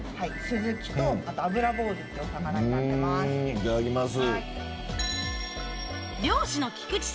いただきます。